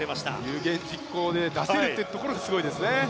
有言実行で出せるところがすごいですね。